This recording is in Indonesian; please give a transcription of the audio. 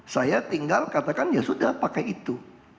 saya tinggal katakan ya sudah pakai itu